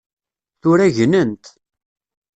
Tura gnent.